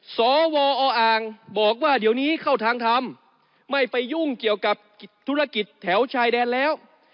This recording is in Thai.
สวออ่างบอกว่าเดี๋ยวนี้เข้าทางทำไม่ไปยุ่งเกี่ยวกับธุรกิจแถวชายแดนแล้ว